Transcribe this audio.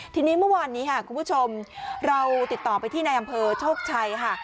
ทีนี้เมื่อวานนี้ค่ะคุณผู้ชมเราติดต่อไปที่ในอำเภอโชคชัยค่ะ